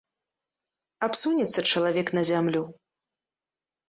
Абсунецца чалавек на зямлю.